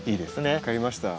分かりました。